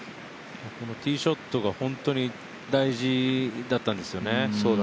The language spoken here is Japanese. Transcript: ティーショットが本当に大事だったんですよね。